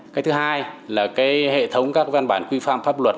cái thứ hai là cái hệ thống các văn bản quy phạm pháp luật